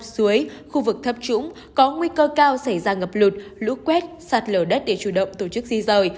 suối khu vực thấp trũng có nguy cơ cao xảy ra ngập lụt lũ quét sạt lở đất để chủ động tổ chức di rời